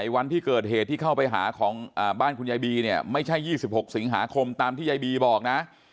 วันที่เกิดเหตุที่เข้าไปหาของบ้านคุณยายบีเนี่ยไม่ใช่๒๖สิงหาคมตามที่ยายบีบอกนะ